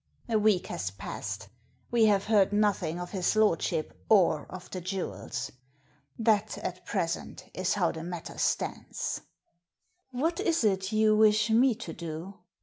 A week has passed. We have heard nothing of his lordship or of the jewels. That, at present, is how the matter stands." " What is it you wish me to do